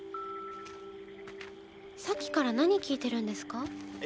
さっきから何聴いてるんですか？